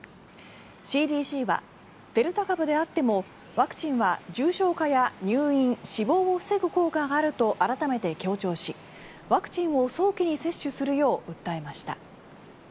ＣＤＣはデルタ株であってもワクチンは重症化や入院、死亡を防ぐ効果があると改めて強調しワクチンを早期に接種するよう訴えました。